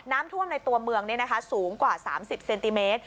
น้ำท่วมในตัวเมืองสูงกว่า๓๐เซนติเมตร